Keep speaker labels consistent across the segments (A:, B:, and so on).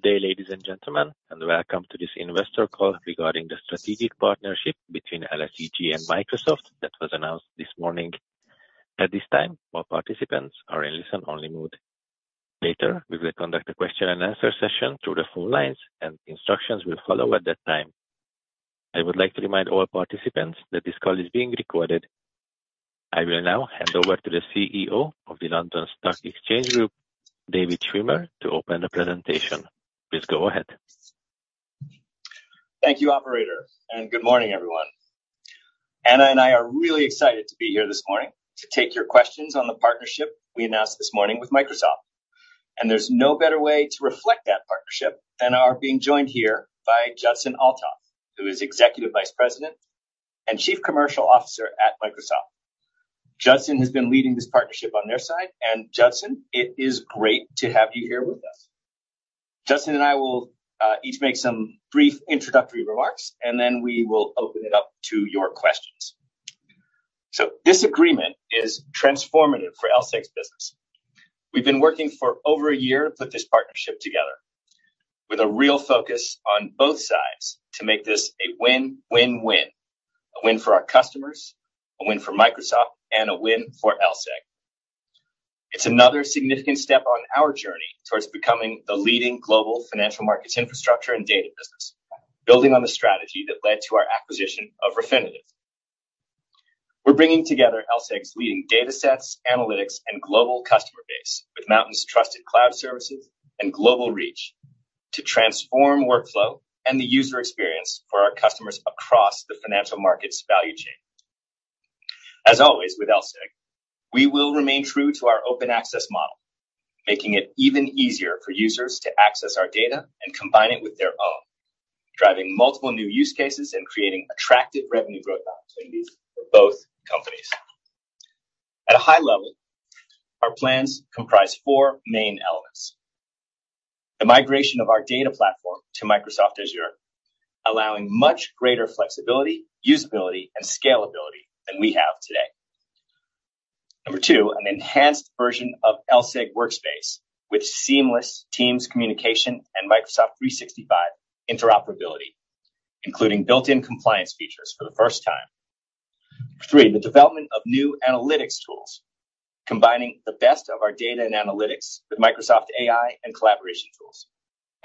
A: Good day ladies and gentlemen and welcome to this investor call regarding the strategic partnership between LSEG and Microsoft that was announced this morning. At this time, all participants are in listen-only mode. Later, we will conduct a question and answer session through the phone lines, and instructions will follow at that time. I would like to remind all participants that this call is being recorded. I will now hand over to the CEO of the London Stock Exchange Group, David Schwimmer, to open the presentation. Please go ahead.
B: Thank you operator. Good morning everyone. Anna and I are really excited to be here this morning to take your questions on the partnership we announced this morning with Microsoft. There's no better way to reflect that partnership than our being joined here by Judson Althoff, who is Executive Vice President and Chief Commercial Officer at Microsoft. Judson has been leading this partnership on their side, and Judson, it is great to have you here with us. Judson and I will each make some brief introductory remarks, and then we will open it up to your questions. This agreement is transformative for LSEG's business. We've been working for over a year to put this partnership together with a real focus on both sides to make this a win-win-win. A win for our customers, a win for Microsoft, and a win for LSEG. It's another significant step on our journey towards becoming the leading global financial markets infrastructure and data business, building on the strategy that led to our acquisition of Refinitiv. We're bringing together LSEG's leading datasets, analytics, and global customer base with Microsoft's trusted cloud services and global reach to transform workflow and the user experience for our customers across the financial markets value chain. As always, with LSEG, we will remain true to our open access model, making it even easier for users to access our data and combine it with their own, driving multiple new use cases and creating attractive revenue growth opportunities for both companies. At a high level, our plans comprise four main elements. The migration of our data platform to Microsoft Azure, allowing much greater flexibility, usability, and scalability than we have today. Number two, an enhanced version of LSEG Workspace with seamless Teams communication and Microsoft 365 interoperability, including built-in compliance features for the first time. Three, the development of new analytics tools, combining the best of our data and analytics with Microsoft AI and collaboration tools.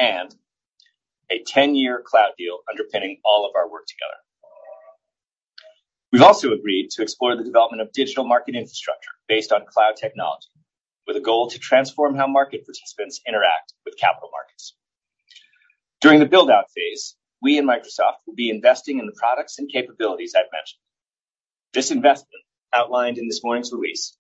B: A 10-year cloud deal underpinning all of our work together. We've also agreed to explore the development of digital market infrastructure based on cloud technology, with a goal to transform how market participants interact with capital markets. During the build-out phase, we and Microsoft will be investing in the products and capabilities I've mentioned. This investment, outlined in this morning's release,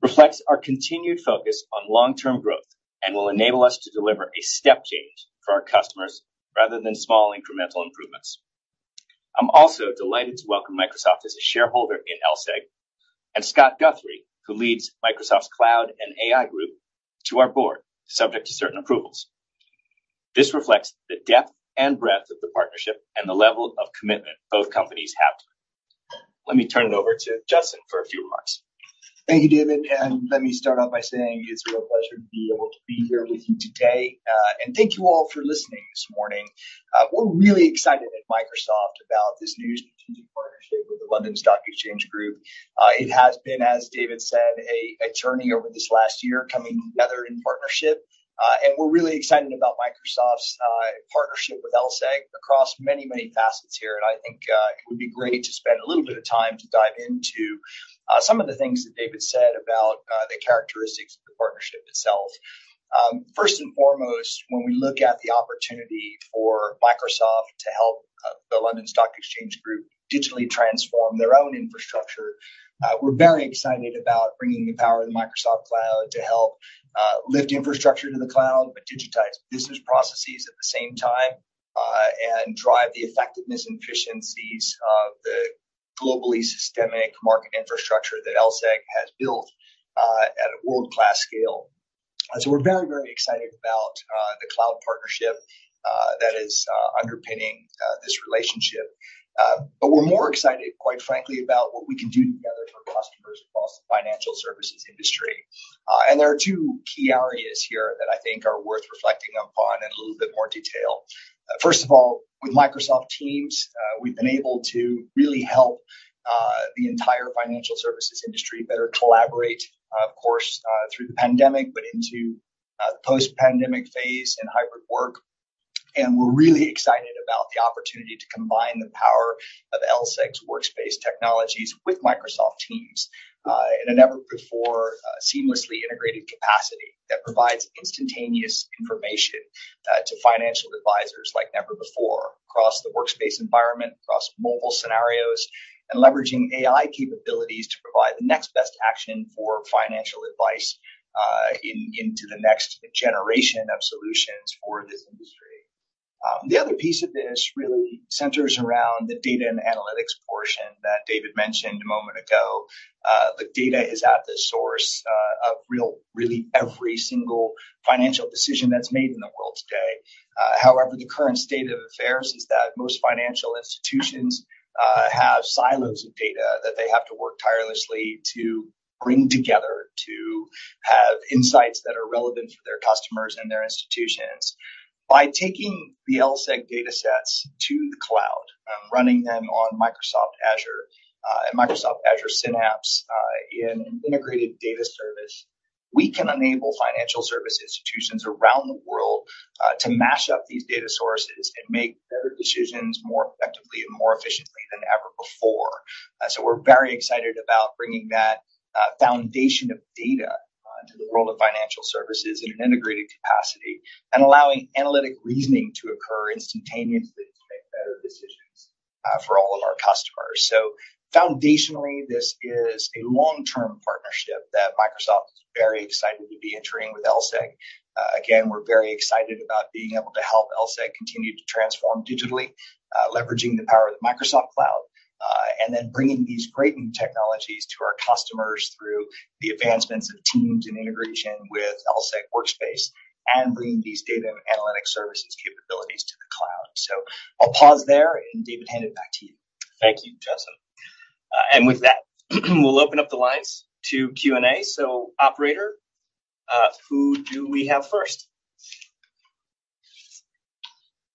B: reflects our continued focus on long-term growth and will enable us to deliver a step change for our customers rather than small incremental improvements. I'm also delighted to welcome Microsoft as a shareholder in LSEG, and Scott Guthrie, who leads Microsoft Cloud + AI Group, to our board, subject to certain approvals. This reflects the depth and breadth of the partnership and the level of commitment both companies have. Let me turn it over to Judson for a few remarks.
C: Thank you David and let me start off by saying it's a real pleasure to be able to be here with you today. Thank you all for listening this morning. We're really excited at Microsoft about this new strategic partnership with the London Stock Exchange Group. It has been, as David said, a journey over this last year, coming together in partnership. We're really excited about Microsoft's partnership with LSEG across many, many facets here. I think, it would be great to spend a little bit of time to dive into, some of the things that David said about, the characteristics of the partnership itself. First and foremost, when we look at the opportunity for Microsoft to help the London Stock Exchange Group digitally transform their own infrastructure, we're very excited about bringing the power of the Microsoft cloud to help lift infrastructure to the cloud, but digitize business processes at the same time, and drive the effectiveness and efficiencies of the globally systemic market infrastructure that LSEG has built at a world-class scale. We're very, very excited about the cloud partnership that is underpinning this relationship. We're more excited, quite frankly, about what we can do together for customers across the financial services industry. There are two key areas here that I think are worth reflecting upon in a little bit more detail. First of all, with Microsoft Teams, we've been able to really help the entire financial services industry better collaborate, of course, through the pandemic, but into the post-pandemic phase and hybrid work. We're really excited about the opportunity to combine the power of LSEG's workspace technologies with Microsoft Teams, in a never-before seamlessly integrated capacity that provides instantaneous information to financial advisors like never before across the workspace environment, across mobile scenarios, and leveraging AI capabilities to provide the next best action for financial advice into the next generation of solutions for this industry. The other piece of this really centers around the data and analytics portion that David mentioned a moment ago. The data is at the source of really every single financial decision that's made in the world today. However, the current state of affairs is that most financial institutions have silos of data that they have to work tirelessly to bring together to have insights that are relevant for their customers and their institutions. By taking the LSEG datasets to the cloud and running them on Microsoft Azure and Azure Synapse Analytics in an integrated data service, we can enable financial service institutions around the world to mash up these data sources and make better decisions more effectively and more efficiently than ever before. We're very excited about bringing that foundation of data to the world of financial services in an integrated capacity and allowing analytic reasoning to occur instantaneously to make better decisions for all of our customers. Foundationally, this is a long-term partnership that Microsoft is very excited to be entering with LSEG. Again, we're very excited about being able to help LSEG continue to transform digitally, leveraging the power of the Microsoft cloud, bringing these great new technologies to our customers through the advancements of Teams and integration with LSEG Workspace, and bringing these data and analytics services capabilities to the cloud. I'll pause there, David hand it back to you.
B: Thank you Judson. With that, we'll open up the lines to Q&A. Operator, who do we have first?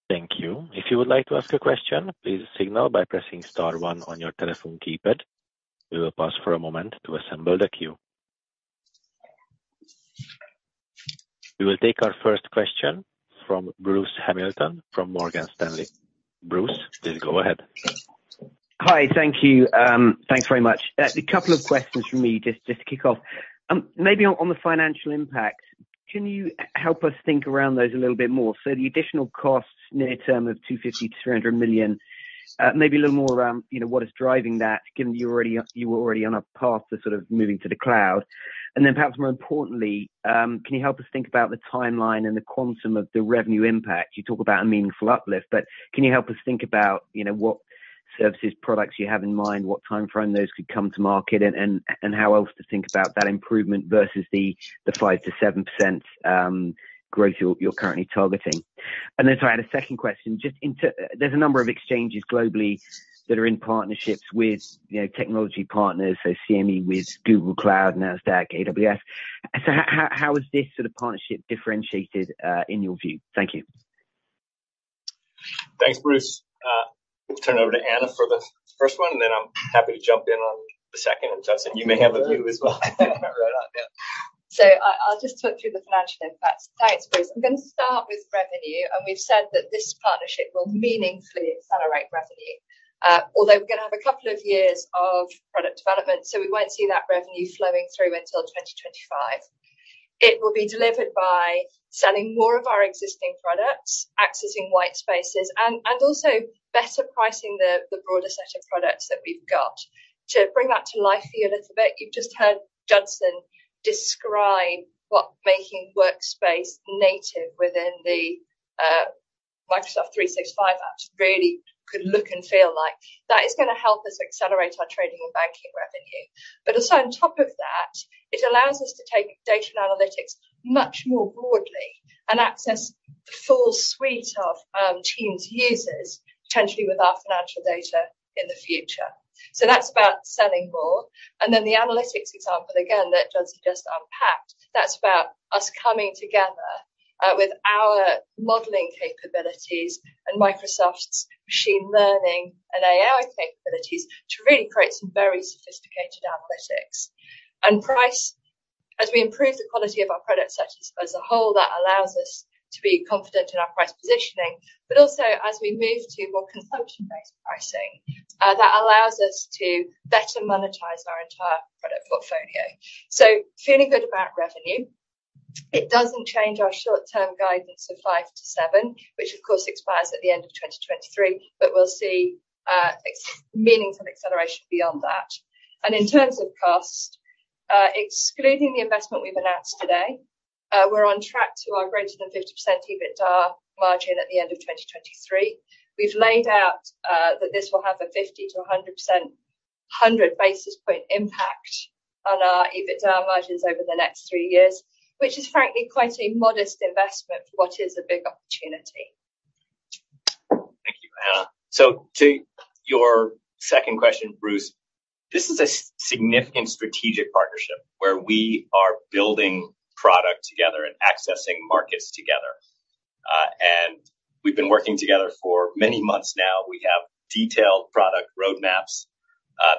A: Thank you. If you would like to ask a question, please signal by pressing star one on your telephone keypad. We will pause for a moment to assemble the queue. We will take our first question from Bruce Hamilton from Morgan Stanley. Bruce, please go ahead.
D: Hi, thank you. Thanks very much. A couple of questions from me just to kick off. Maybe on the financial impact, can you help us think around those a little bit more? The additional costs near term of 250 million-300 million, maybe a little more around, you know, what is driving that given you were already on a path to sort of moving to the cloud? Perhaps more importantly, can you help us think about the timeline and the quantum of the revenue impact? You talk about a meaningful uplift, can you help us think about, you know, what services, products you have in mind, what timeframe those could come to market, and how else to think about that improvement versus the 5%-7% growth you're currently targeting? Sorry, I had a second question. There's a number of exchanges globally that are in partnerships with, you know, technology partners, so CME with Google Cloud, Nasdaq, AWS. How is this sort of partnership differentiated in your view? Thank you.
B: Thanks Bruce. I'll turn it over to Anna for the first one, then I'm happy to jump in on the second. Judson, you may have a view as well. Right on. Yeah.
E: I'll just talk through the financial impacts, thanks Bruce. I'm gonna start with revenue. We've said that this partnership will meaningfully accelerate revenue, although we're gonna have a couple of years of product development, so we won't see that revenue flowing through until 2025. It will be delivered by selling more of our existing products, accessing white spaces and also better pricing the broader set of products that we've got. To bring that to life for you a little bit, you've just heard Judson describe what making LSEG Workspace native within the Microsoft 365 Apps really could look and feel like. That is gonna help us accelerate our Trading and Banking revenue. Also on top of that, it allows us to take data and analytics much more broadly and access the full suite of Teams users potentially with our financial data in the future. That's about selling more. The analytics example again that Judson just unpacked, that's about us coming together with our modeling capabilities and Microsoft's machine learning and AI capabilities to really create some very sophisticated analytics. Price, as we improve the quality of our product sets as a whole, that allows us to be confident in our price positioning. Also as we move to more consumption-based pricing, that allows us to better monetize our entire product portfolio. Feeling good about revenue. It doesn't change our short-term guidance of 5%-7%, which of course expires at the end of 2023, but we'll see meaningful acceleration beyond that. In terms of cost, excluding the investment we've announced today, we're on track to our greater than 50% EBITDA margin at the end of 2023. We've laid out that this will have a 50%-100%, 100 basis point impact on our EBITDA margins over the next three years, which is frankly quite a modest investment for what is a big opportunity.
B: Thank you Anna, to your second question Bruce, this is a significant strategic partnership where we are building product together and accessing markets together. We've been working together for many months now. We have detailed product roadmaps.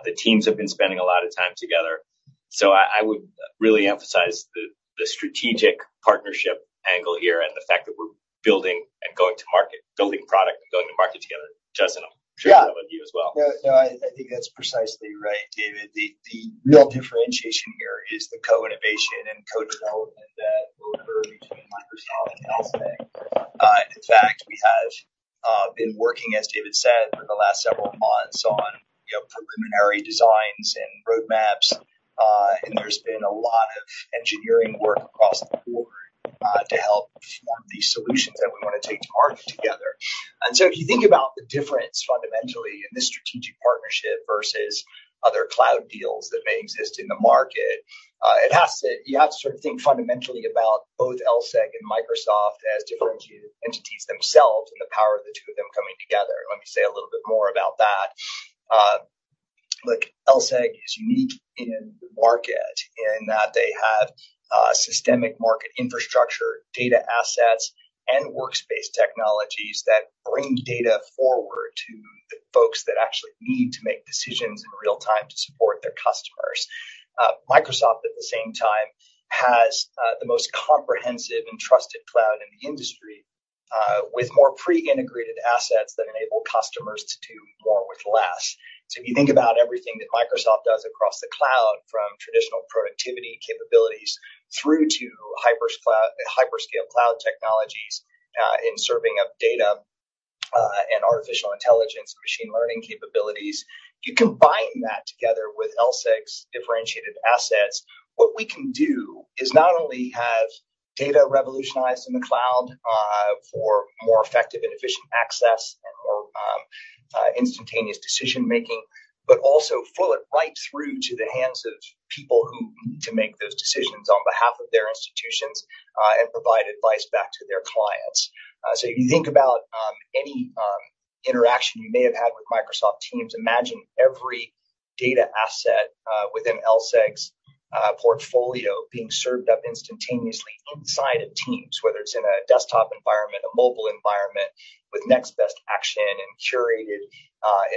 B: The teams have been spending a lot of time together. I would really emphasize the strategic partnership angle here and the fact that we're building and going to market, building product and going to market together. Judson, I'm sure that with you as well.
C: Yeah. No, I think that's precisely right David. The real differentiation here is the co-innovation and co-development that will occur between Microsoft and LSEG. In fact, we have been working, as David said, for the last several months on, you know, preliminary designs and roadmaps, and there's been a lot of engineering work across the board, to help form these solutions that we wanna take to market together. If you think about the difference fundamentally in this strategic partnership versus other cloud deals that may exist in the market, You have to sort of think fundamentally about both LSEG and Microsoft as differentiated entities themselves and the power of the two of them coming together. Let me say a little bit more about that, look, LSEG is unique in the market in that they have systemic market infrastructure, data assets, and workspace technologies that bring data forward to the folks that actually need to make decisions in real time to support their customers. Microsoft, at the same time, has the most comprehensive and trusted cloud in the industry, with more pre-integrated assets that enable customers to do more with less. If you think about everything that Microsoft does across the cloud, from traditional productivity capabilities through to hyperscale cloud technologies, in serving up data, and artificial intelligence and machine learning capabilities, you combine that together with LSEG's differentiated assets, what we can do is not only have data revolutionized in the cloud, for more effective and efficient access and more instantaneous decision-making, but also fool it right through to the hands of people who need to make those decisions on behalf of their institutions, and provide advice back to their clients. If you think about any interaction you may have had with Microsoft Teams, imagine every data asset within LSEG's portfolio being served up instantaneously inside of Teams. Whether it's in a desktop environment, a mobile environment, with next best action and curated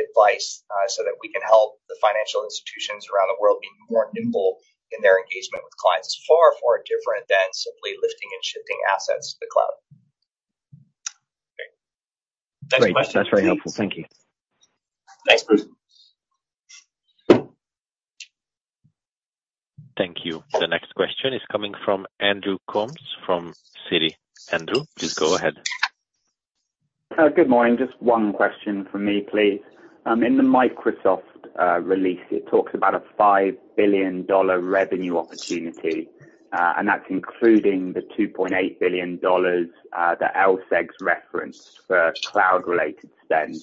C: advice, so that we can help the financial institutions around the world be more nimble in their engagement with clients. It's far, far different than simply lifting and shifting assets to the cloud.
B: Great. Next question, please.
D: That's very helpful. Thank you.
C: Thanks Bruce.
A: Thank you. The next question is coming from Andrew Coombs from Citi. Andrew please go ahead.
F: Good morning. Just one question from me, please. In the Microsoft release, it talks about a $5 billion revenue opportunity, and that's including the $2.8 billion that LSEG's referenced for cloud-related spend.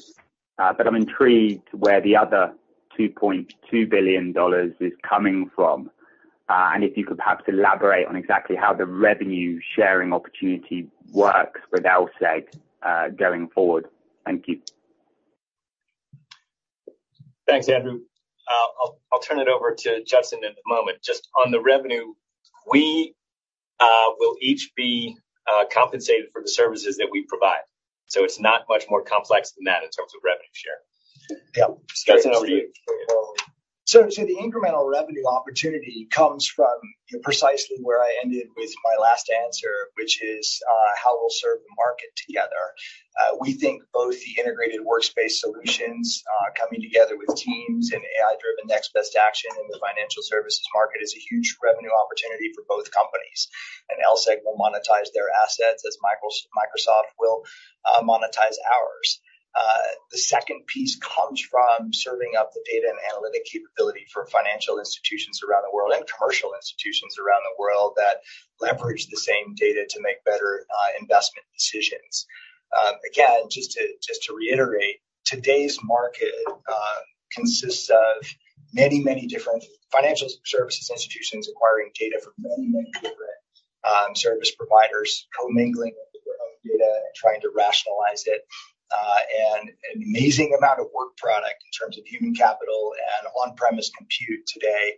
F: I'm intrigued where the other $2.2 billion is coming from, and if you could perhaps elaborate on exactly how the revenue sharing opportunity works with LSEG going forward? Thank you.
B: Thanks Andrew. I'll turn it over to Judson in a moment. Just on the revenue, we will each be compensated for the services that we provide. It's not much more complex than that in terms of revenue share. Yeah, Judson over to you.
C: The incremental revenue opportunity comes from precisely where I ended with my last answer, which is how we'll serve the market together. We think both the integrated workspace solutions, coming together with Teams and AI-driven next best action in the financial services market is a huge revenue opportunity for both companies. LSEG will monetize their assets as Microsoft will monetize ours. The second piece comes from serving up the data and analytic capability for financial institutions around the world and commercial institutions around the world that leverage the same data to make better investment decisions. Again, just to reiterate, today's market consists of many different financial services institutions acquiring data from many different service providers, co-mingling data and trying to rationalize it. An amazing amount of work product in terms of human capital and on-premise compute today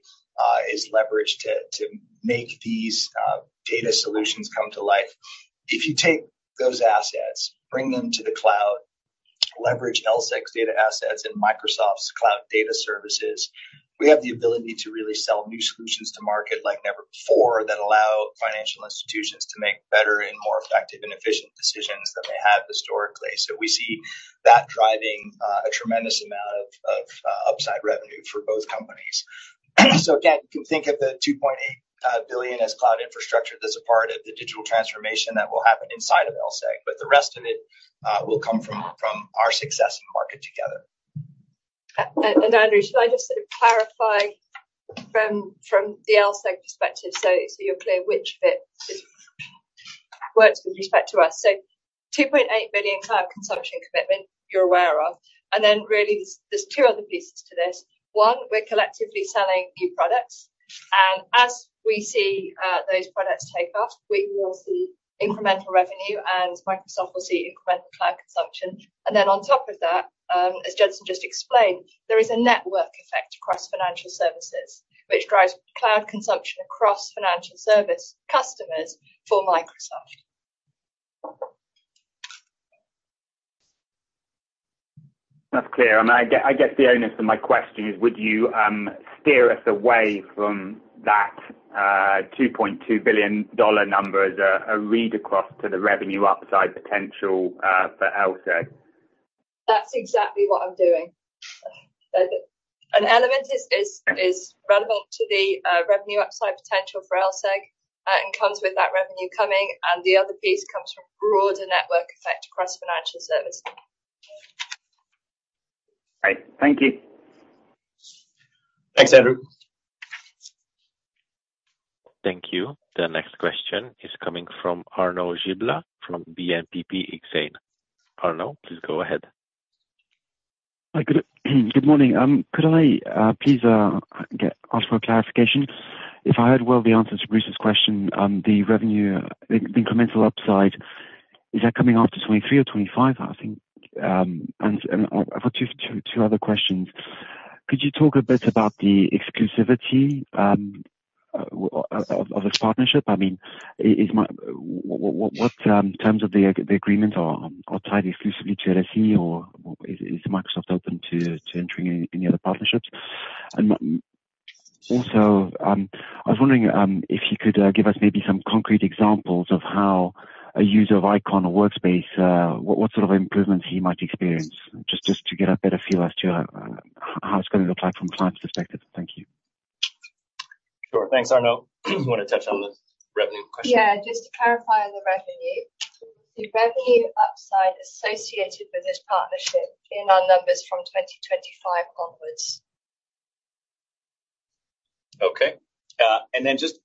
C: is leveraged to make these data solutions come to life. If you take those assets, bring them to the cloud, leverage LSEG's data assets and Microsoft's cloud data services, we have the ability to really sell new solutions to market like never before that allow financial institutions to make better and more effective and efficient decisions than they have historically. We see that driving a tremendous amount of upside revenue for both companies. Again, you can think of the $2.8 billion as cloud infrastructure that's a part of the digital transformation that will happen inside of LSEG. The rest of it will come from our success in market together.
E: Andrew, should I just sort of clarify from the LSEG perspective, so you're clear which bit works with respect to us. $2.8 billion cloud consumption commitment, you're aware of. Then really, there's two other pieces to this. One, we're collectively selling new products. As we see those products take off, we will see incremental revenue and Microsoft will see incremental cloud consumption. Then on top of that, as Judson just explained, there is a network effect across financial services, which drives cloud consumption across financial service customers for Microsoft.
F: That's clear. I guess the onus of my question is, would you steer us away from that $2.2 billion number as a read across to the revenue upside potential for LSEG?
E: That's exactly what I'm doing. An element is relevant to the revenue upside potential for LSEG and comes with that revenue coming. The other piece comes from broader network effect across financial services.
F: Right, thank you.
B: Thanks Andrew.
A: Thank you. The next question is coming from Arnaud Giblat from BNP Paribas Exane. Arnaud, please go ahead.
G: Hi, good morning. Could I please ask for a clarification? If I heard well the answer to Bruce's question, the revenue, the incremental upside, is that coming after 2023 or 2025, I think? I've got two other questions. Could you talk a bit about the exclusivity of this partnership? I mean, what terms of the agreement are tied exclusively to LSE or is Microsoft open to entering any other partnerships? Also, I was wondering if you could give us maybe some concrete examples of how a user of Eikon or Workspace, what sort of improvements he might experience, just to get a better feel as to how it's gonna look like from a client's perspective? Thank you.
B: Sure, thanks, Arnaud. You wanna touch on the revenue question?
E: Yeah. Just to clarify on the revenue. The revenue upside associated with this partnership in our numbers from 2025 onwards.
B: Okay, then just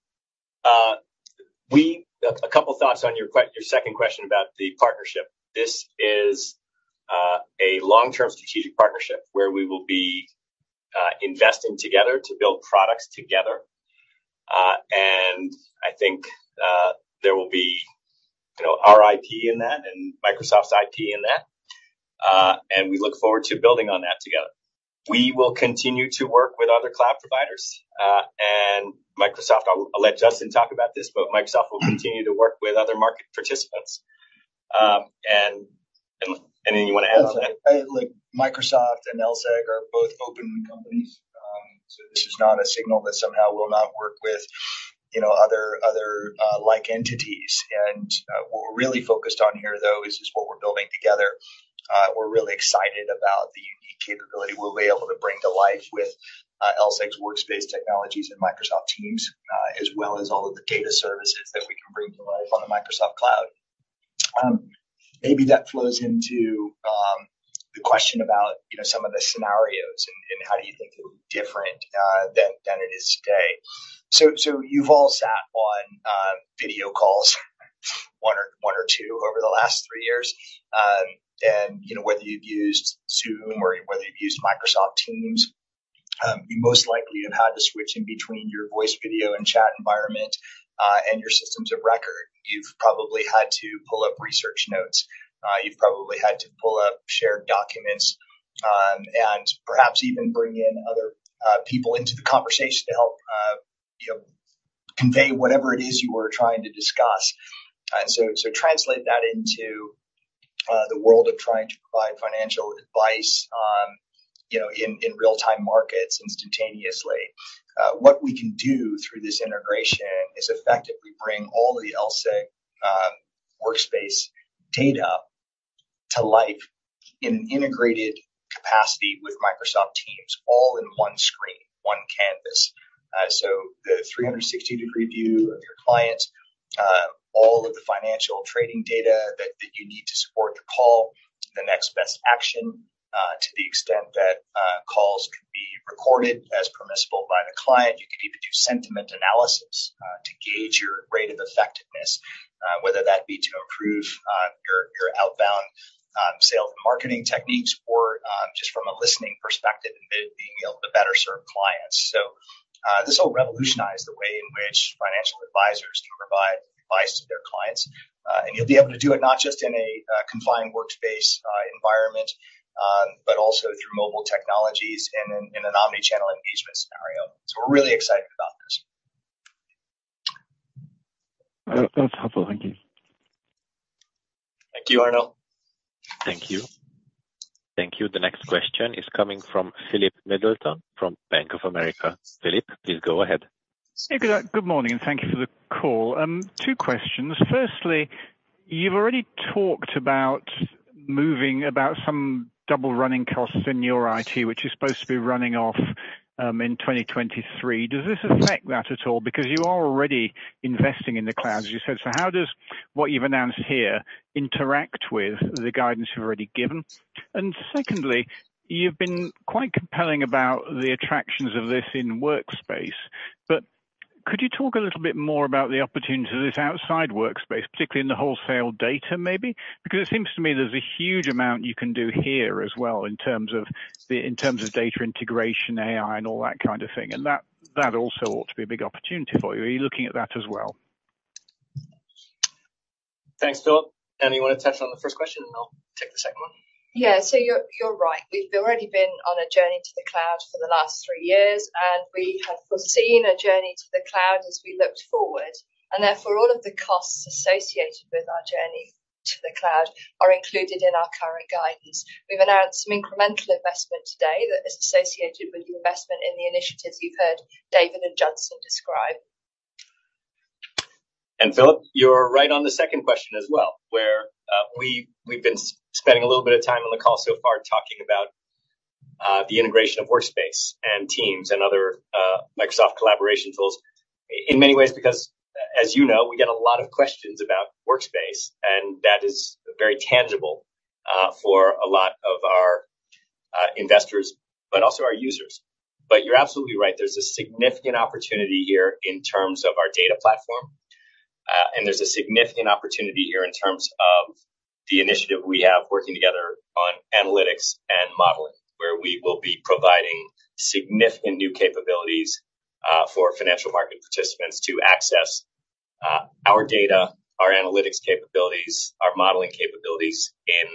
B: a couple thoughts on your second question about the partnership. This is a long-term strategic partnership where we will be investing together to build products together. I think, you know, our IP in that and Microsoft's IP in that. We look forward to building on that together. We will continue to work with other cloud providers, and Microsoft. I'll let Judson talk about this, but Microsoft will continue to work with other market participants. Anything you wanna add to that?
C: Like Microsoft and LSEG are both open companies. This is not a signal that somehow we'll not work with, you know, other like entities. What we're really focused on here, though, is just what we're building together. We're really excited about the unique capability we'll be able to bring to life with LSEG's Workspace technologies and Microsoft Teams, as well as all of the data services that we can bring to life on the Microsoft cloud. Maybe that flows into the question about, you know, some of the scenarios and how do you think they're different than it is today. You've all sat on video calls one or two over the last three years. You know, whether you've used Zoom or whether you've used Microsoft Teams, you most likely have had to switch in between your voice video and chat environment and your systems of record. You've probably had to pull up research notes. You've probably had to pull up shared documents, and perhaps even bring in other people into the conversation to help, you know, convey whatever it is you were trying to discuss. Translate that into the world of trying to provide financial advice, you know, in real-time markets instantaneously. What we can do through this integration is effectively bring all of the LSEG Workspace data to life in an integrated capacity with Microsoft Teams all in one screen, one canvas. The 360-degree view of your clients, all of the financial trading data that you need to support the call to the next best action, to the extent that calls can be recorded as permissible by the client. You can even do sentiment analysis to gauge your rate of effectiveness, whether that be to improve your outbound sales and marketing techniques or just from a listening perspective and being able to better serve clients. This will revolutionize the way in which financial advisors can provide advice to their clients. You'll be able to do it not just in a confined workspace environment, but also through mobile technologies and in an omnichannel engagement scenario. We're really excited about this.
G: That's helpful, thank you.
B: Thank you Arnaud.
A: Thank you. Thank you. The next question is coming from Philip Middleton from Bank of America. Philip, please go ahead.
H: Hey good morning and thank you for the call. Two questions. Firstly, you've already talked about moving about some double running costs in your IT, which is supposed to be running off in 2023. Does this affect that at all? Because you are already investing in the cloud, as you said. How does what you've announced here interact with the guidance you've already given? Secondly, you've been quite compelling about the attractions of this in Workspace, but could you talk a little bit more about the opportunity of this outside Workspace, particularly in the wholesale data maybe? Because it seems to me there's a huge amount you can do here as well in terms of data integration, AI, and all that kind of thing. That also ought to be a big opportunity for you. Are you looking at that as well?
B: Thanks Philip. Anna, you wanna touch on the first question, and I'll take the second one?
E: Yeah., you're right. We've already been on a journey to the cloud for the last three years, and we have foreseen a journey to the cloud as we looked forward. All of the costs associated with our journey to the cloud are included in our current guidance. We've announced some incremental investment today that is associated with the investment in the initiatives you've heard David and Judson describe.
B: Philip, you're right on the second question as well, where we've been spending a little bit of time on the call so far talking about the integration of Workspace and Teams and other Microsoft collaboration tools, in many ways because, as you know, we get a lot of questions about Workspace, and that is very tangible for a lot of our investors, but also our users. You're absolutely right. There's a significant opportunity here in terms of our data platform, and there's a significant opportunity here in terms of the initiative we have working together on analytics and modeling, where we will be providing significant new capabilities for financial market participants to access our data, our analytics capabilities, our modeling capabilities in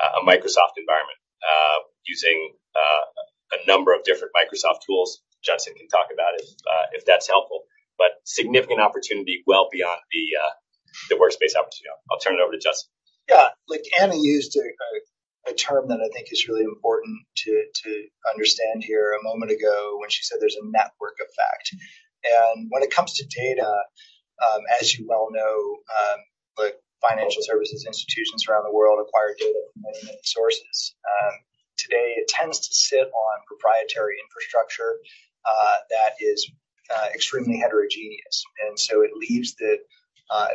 B: a Microsoft environment, using a number of different Microsoft tools. Judson can talk about it, if that's helpful, but significant opportunity well beyond the Workspace opportunity. I'll turn it over to Judson.
C: Yeah. Like Anna used a term that I think is really important to understand here a moment ago when she said there's a network effect. When it comes to data, as you well know, the financial services institutions around the world acquire data from many, many sources. Today, it tends to sit on proprietary infrastructure that is extremely heterogeneous. So it leaves the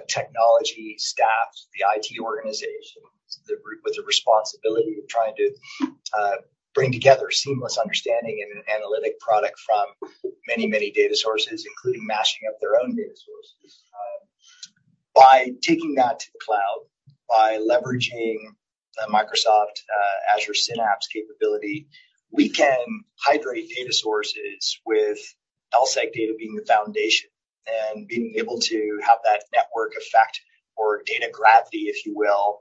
C: technology staff, the IT organization, the group with the responsibility of trying to bring together seamless understanding and an analytic product from many, many data sources, including mashing up their own data sources. By taking that to the cloud, by leveraging the Microsoft Azure Synapse capability, we can hydrate data sources with LSEG data being the foundation and being able to have that network effect or data gravity, if you will,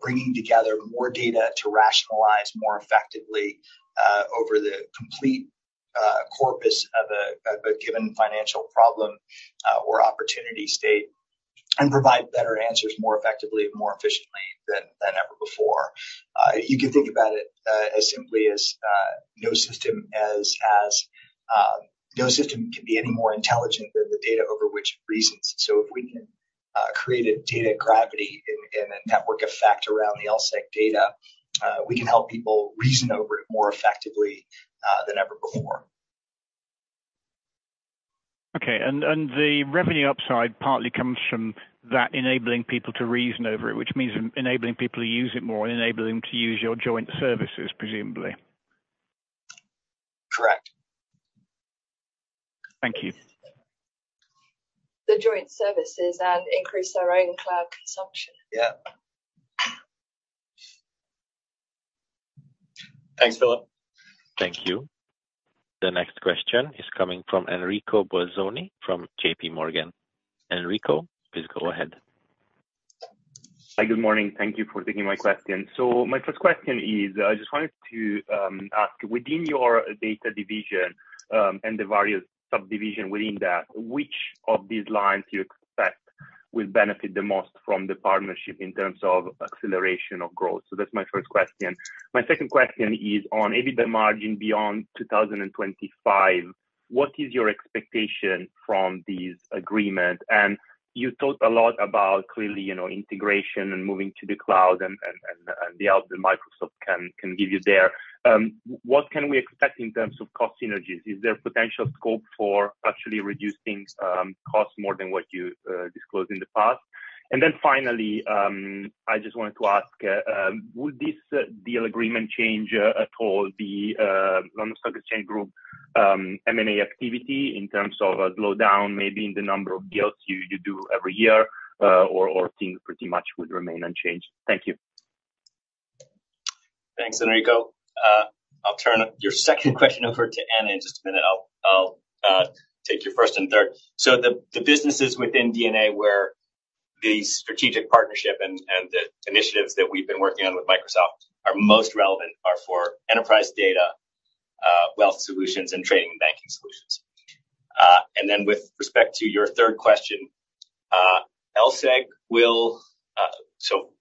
C: bringing together more data to rationalize more effectively, over the complete corpus of a, of a given financial problem, or opportunity state, and provide better answers more effectively and more efficiently than ever before. You can think about it as simply as no system can be any more intelligent than the data over which it reasons. If we can create a data gravity and a network effect around the LSEG data, we can help people reason over it more effectively, than ever before.
H: Okay and the revenue upside partly comes from that enabling people to reason over it, which means enabling people to use it more, enabling them to use your joint services, presumably?
C: Correct.
H: Thank you.
E: The joint services and increase our own cloud consumption.
C: Yeah.
B: Thanks Philip.
A: Thank you. The next question is coming from Enrico Bolzoni from JPMorgan. Enrico, please go ahead.
I: Hi, good morning. Thank you for taking my question. My first question is, I just wanted to ask within your data division and the various subdivision within that, which of these lines you expect will benefit the most from the partnership in terms of acceleration of growth? That's my first question. My second question is on EBITA margin beyond 2025, what is your expectation from this agreement? You talked a lot about clearly, you know, integration and moving to the cloud and the help that Microsoft can give you there. What can we expect in terms of cost synergies? Is there potential scope for actually reducing costs more than what you disclosed in the past? Finally, I just wanted to ask, would this deal agreement change at all the London Stock Exchange Group M&A activity in terms of a slowdown maybe in the number of deals you do every year, or things pretty much would remain unchanged? Thank you.
B: Thanks Enrico. I'll turn your second question over to Anna in just a minute. I'll take your first and third. The businesses within D&A where the strategic partnership and the initiatives that we've been working on with Microsoft are most relevant are for Enterprise Data, Wealth Solutions, and Trading & Banking Solutions. With respect to your third question, LSEG will.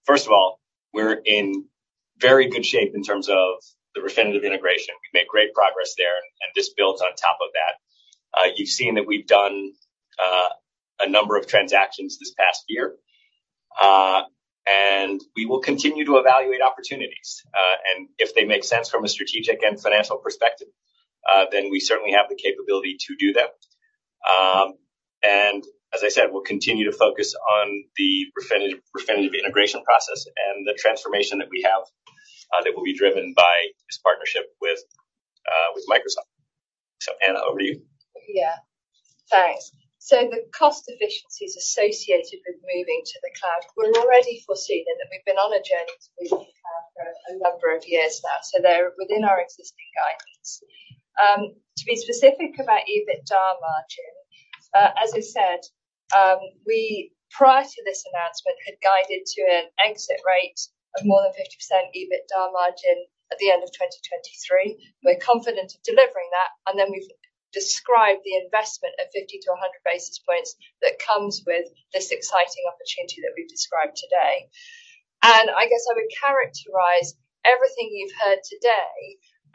B: First of all, we're in very good shape in terms of the Refinitiv integration. We've made great progress there, and this builds on top of that. You've seen that we've done a number of transactions this past year, and we will continue to evaluate opportunities. If they make sense from a strategic and financial perspective, we certainly have the capability to do them. As I said, we'll continue to focus on the Refinitiv integration process and the transformation that we have, that will be driven by this partnership with Microsoft. Anna over to you.
E: Yeah, thanks. The cost efficiencies associated with moving to the cloud, we're already foreseeing them. We've been on a journey to move to the cloud for a number of years now. They're within our existing guidance. To be specific about EBITDA margin, as I said, we, prior to this announcement, had guided to an exit rate of more than 50% EBITDA margin at the end of 2023. We're confident of delivering that. We've described the investment of 50-100 basis points that comes with this exciting opportunity that we've described today. I guess I would characterize everything you've heard today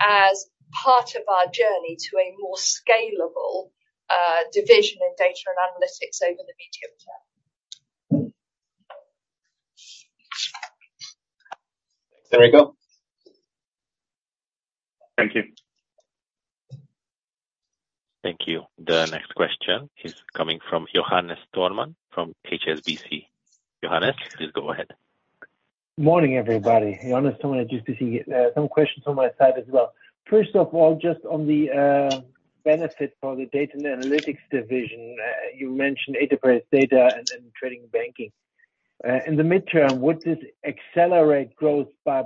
E: as part of our journey to a more scalable Data & Analytics division over the medium term.
B: Thanks Enrico.
I: Thank you.
A: Thank you. The next question is coming from Johannes Thormann from HSBC. Johannes, please go ahead.
J: Morning everybody. Johannes Thormann, HSBC. Some questions on my side as well. First of all, just on the benefit for the Data & Analytics division. you mentioned Enterprise Data and then Trading Banking. In the midterm, would this accelerate growth by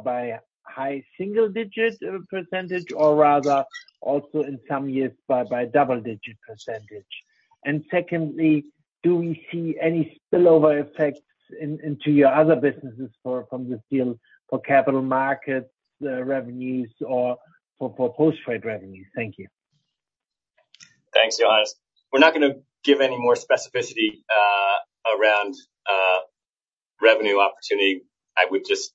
J: high single-digit percentage or rather also in some years by double-digit percentage? Secondly, do we see any spillover effects into your other businesses from this deal for capital markets revenues or for post-trade revenues? Thank you.
B: Thanks Johannes. We're not gonna give any more specificity around revenue opportunity. I would just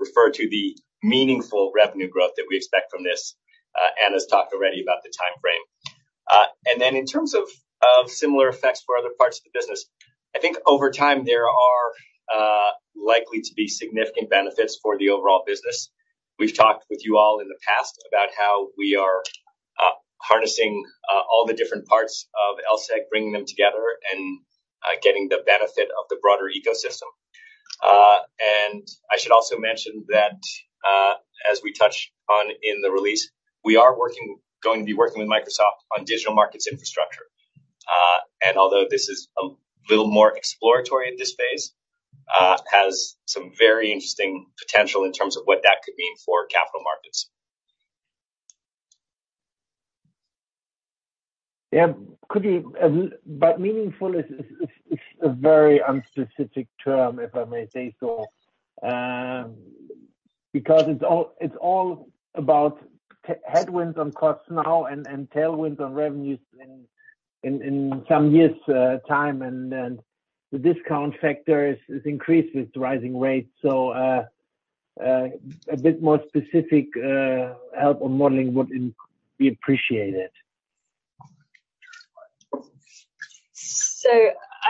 B: refer to the meaningful revenue growth that we expect from this. Anna's talked already about the timeframe. In terms of similar effects for other parts of the business, I think over time there are likely to be significant benefits for the overall business. We've talked with you all in the past about how we are harnessing all the different parts of LSEG, bringing them together and getting the benefit of the broader ecosystem. I should also mention that, as we touched on in the release, we are going to be working with Microsoft on Digital Markets Infrastructure. Although this is a little more exploratory at this phase, has some very interesting potential in terms of what that could mean for capital markets.
J: Could you—meaningful is a very unspecific term, if I may say so. Because it's all about headwinds on costs now and tailwinds on revenues in some years, time. Then the discount factor is increased with rising rates. A bit more specific, help on modeling would be appreciated.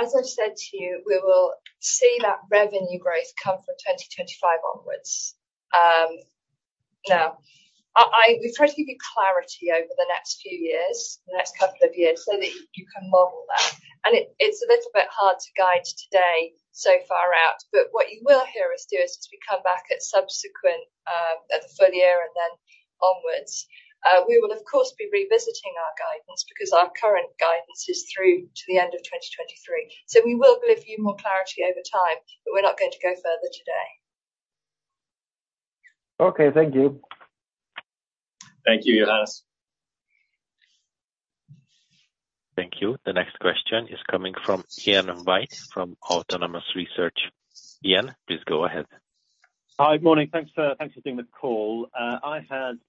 E: As I said to you, we will see that revenue growth come from 2025 onwards. Now we try to give you clarity over the next few years, the next couple of years, so that you can model that. It's a little bit hard to guide today so far out, but what you will hear us do is, as we come back at subsequent, at the full year and then onwards, we will of course be revisiting our guidance because our current guidance is through to the end of 2023. We will give you more clarity over time, but we're not going to go further today.
J: Okay, thank you.
B: Thank you Johannes.
A: Thank you. The next question is coming from Ian White from Autonomous Research. Ian, please go ahead.
K: Hi, good morning. Thanks for doing the call, I had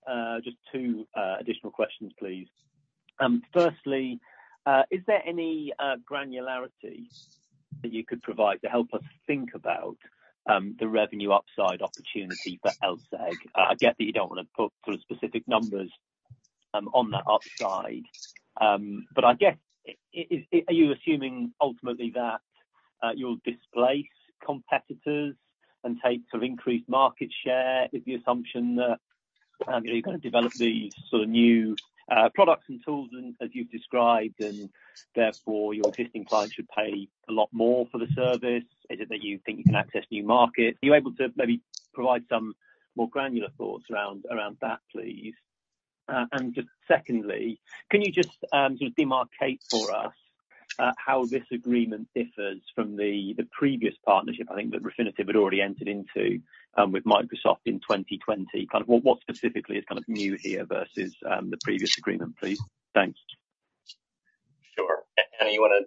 K: just two additional questions, please. Firstly, is there any granularity that you could provide to help us think about the revenue upside opportunity for LSEG? I get that you don't wanna put sort of specific numbers on that upside. I guess, are you assuming ultimately that you'll displace competitors and take sort of increased market share? Is the assumption that you're gonna develop these sort of new products and tools and as you've described, and therefore your existing clients should pay a lot more for the service? Is it that you think you can access new markets? Are you able to maybe provide some more granular thoughts around that, please? Secondly, can you just, sort of demarcate for us, how this agreement differs from the previous partnership, I think that Refinitiv had already entered into, with Microsoft in 2020? Kind of what specifically is kind of new here versus, the previous agreement, please? Thanks.
B: Sure. Anna you wanna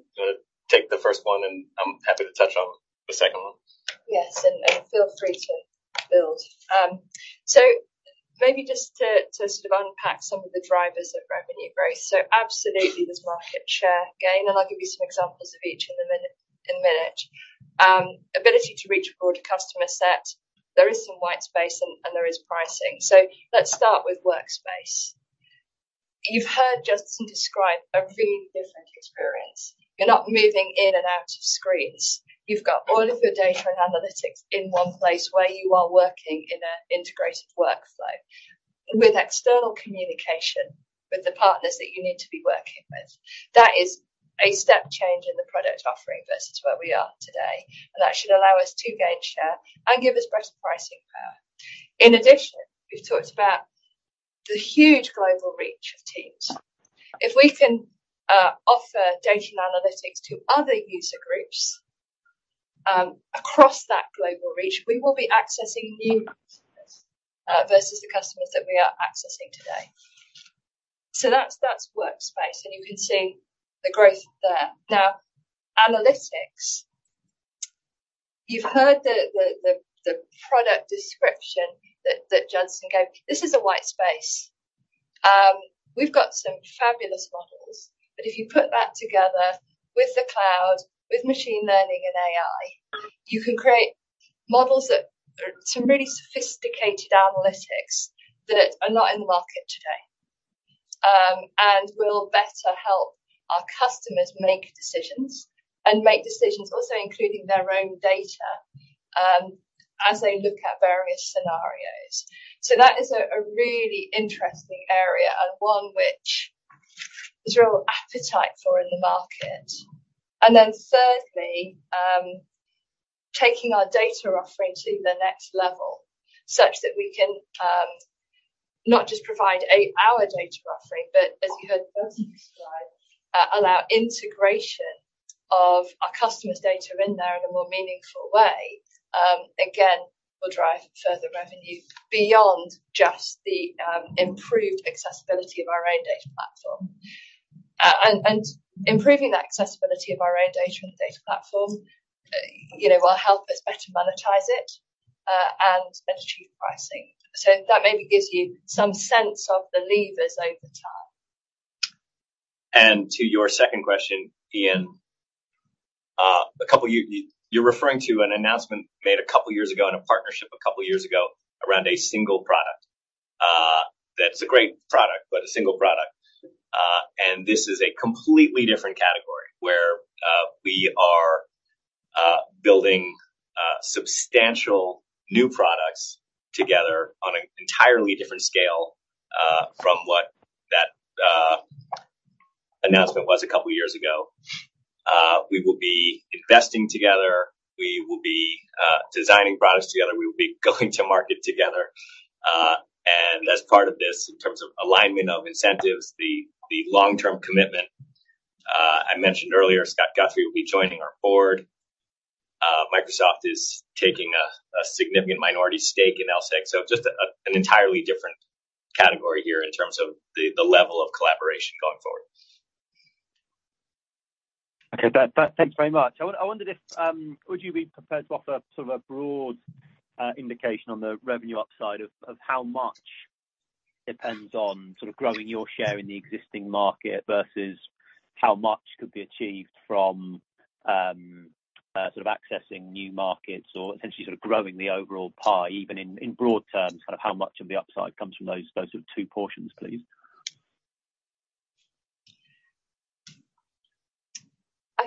B: take the first one, and I'm happy to touch on the second one.
E: Yes, feel free to build. Maybe just to sort of unpack some of the drivers of revenue growth. Absolutely there's market share gain, and I'll give you some examples of each in a minute. Ability to reach a broader customer set. There is some white space and there is pricing. Let's start with Workspace. You've heard Judson describe a really different experience. You're not moving in and out of screens. You've got all of your data and analytics in one place where you are working in an integrated workflow with external communication with the partners that you need to be working with. That is a step change in the product offering versus where we are today. That should allow us to gain share and give us better pricing power. In addition, we've talked about the huge global reach of Teams. If we can offer Data and Analytics to other user groups across that global reach, we will be accessing new customers versus the customers that we are accessing today. That's Workspace, and you can see the growth there. Analytics. You've heard the product description that Judson gave. This is a white space. We've got some fabulous models, but if you put that together with the cloud, with machine learning and AI, you can create models that are some really sophisticated analytics that are not in the market today. Will better help our customers make decisions, and make decisions also including their own data as they look at various scenarios. That is a really interesting area and one which there's real appetite for in the market. Thirdly, taking our data offering to the next level, such that we can not just provide our data offering, but as you heard Judson describe, allow integration of our customer's data in there in a more meaningful way, again, will drive further revenue beyond just the improved accessibility of our own data platform. And improving that accessibility of our own data and data platform, you know, will help us better monetize it and better achieve pricing. That maybe gives you some sense of the levers over time.
B: To your second question Ian, you're referring to an announcement made couple years ago and a partnership couple years ago around a single product. That is a great product, but a single product. This is a completely different category where we are building substantial new products together on an entirely different scale from what that announcement was couple years ago. We will be investing together, we will be designing products together, we will be going to market together. As part of this, in terms of alignment of incentives, the long-term commitment I mentioned earlier, Scott Guthrie will be joining our board. Microsoft is taking a significant minority stake in LSEG, so just an entirely different category here in terms of the level of collaboration going forward.
K: Okay that, thanks very much. I wondered if, would you be prepared to offer sort of a broad indication on the revenue upside of how much depends on sort of growing your share in the existing market versus how much could be achieved from sort of accessing new markets or essentially sort of growing the overall pie, even in broad terms, kind of how much of the upside comes from those sort of two portions, please?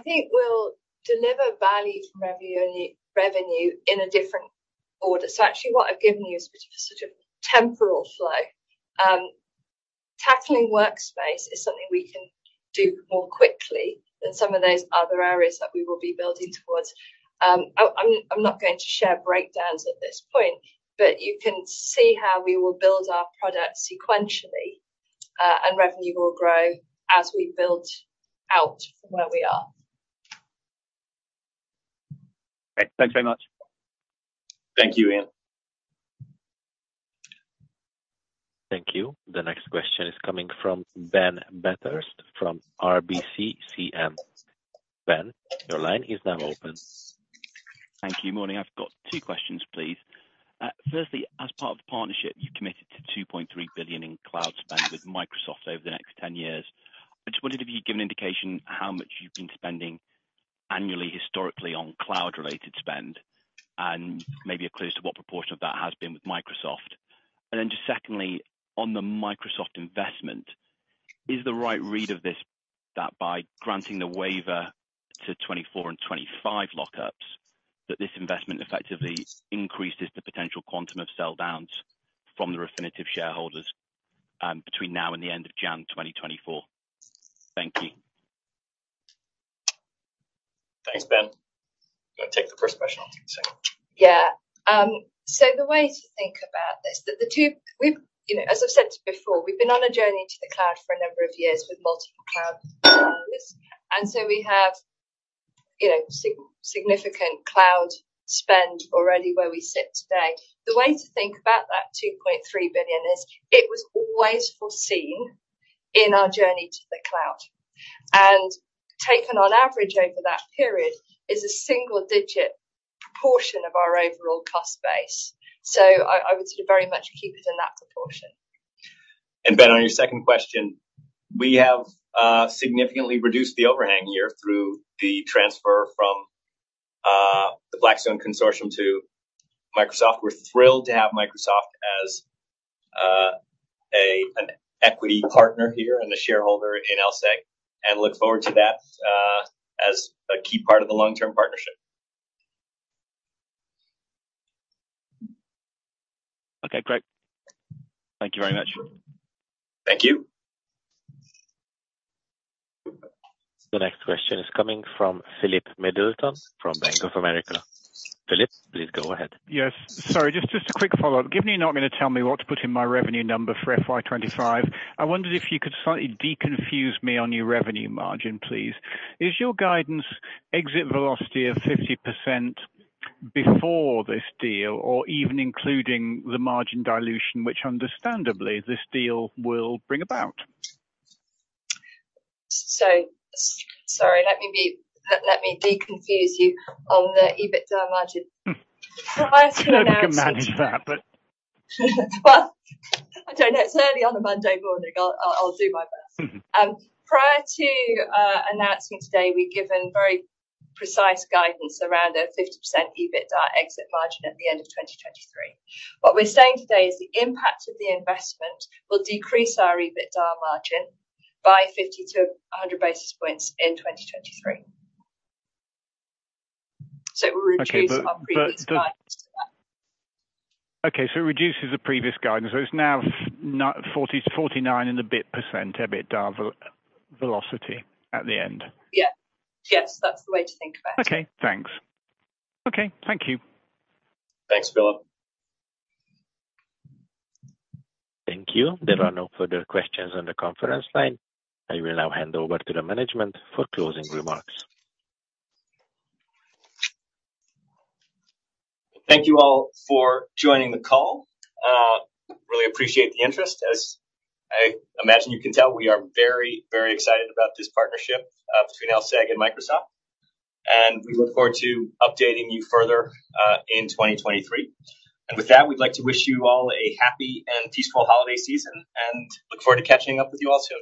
E: I think we'll deliver value from revenue in the revenue in a different order. Actually what I've given you is sort of temporal flow. Tackling Workspace is something we can do more quickly than some of those other areas that we will be building towards. I'm not going to share breakdowns at this point, but you can see how we will build our product sequentially, and revenue will grow as we build out from where we are.
K: Okay, thanks very much.
B: Thank you Ian.
A: Thank you. The next question is coming from Ben Bathurst from RBC Capital Markets. Ben, your line is now open.
L: Thank you. Morning. I've got two questions, please. Firstly, as part of the partnership, you've committed to $2.3 billion in cloud spend with Microsoft over the next 10 years. I just wondered if you'd give an indication how much you've been spending annually, historically, on cloud-related spend, and maybe a clue as to what proportion of that has been with Microsoft. Secondly, on the Microsoft investment, is the right read of this that by granting the waiver to 2024 and 2025 lockups, that this investment effectively increases the potential quantum of sell downs from the Refinitiv shareholders, between now and the end of January 2024? Thank you.
B: Thanks Ben. Do you wanna take the first question? I'll take the second.
E: Yeah. The way to think about this. You know, as I've said before, we've been on a journey to the cloud for a number of years with multiple cloud providers. We have, you know, significant cloud spend already where we sit today. The way to think about that $2.3 billion is, it was always foreseen in our journey to the cloud. Taken on average over that period is a single-digit proportion of our overall cost base. I would sort of very much keep it in that proportion.
B: Ben on your second question, we have significantly reduced the overhang here through the transfer from the Blackstone consortium to Microsoft. We're thrilled to have Microsoft as an equity partner here and a shareholder in LSEG, and look forward to that as a key part of the long-term partnership.
L: Great, thank you very much.
B: Thank you.
A: The next question is coming from Philip Middleton from Bank of America. Philip, please go ahead.
H: Yes. Sorry, just a quick follow-up. Given you're not gonna tell me what to put in my revenue number for FY 2025, I wondered if you could slightly deconfuse me on your revenue margin, please. Is your guidance exit velocity of 50% before this deal or even including the margin dilution, which understandably this deal will bring about?
E: Sorry, let me deconfuse you on the EBITDA margin.
H: I don't know if you can manage that, but—
E: Well, I don't know. It's early on a Monday morning. I'll do my best. Prior to announcing today, we've given very precise guidance around a 50% EBITDA exit margin at the end of 2023. What we're saying today is the impact of the investment will decrease our EBITDA margin by 50-100 basis points in 2023.
H: Okay.
E: Our previous guidance to that.
H: It reduces the previous guidance. It's now 40-49 in the bit percent EBITDA velocity at the end.
E: Yeah, yes that's the way to think about it.
H: Okay, thanks. Okay, thank you.
B: Thanks Philip.
A: Thank you. There are no further questions on the conference line. I will now hand over to the management for closing remarks.
B: Thank you all for joining the call. Really appreciate the interest. As I imagine you can tell, we are very, very excited about this partnership between LSEG and Microsoft, and we look forward to updating you further in 2023. With that, we'd like to wish you all a happy and peaceful holiday season, and look forward to catching up with you all soon.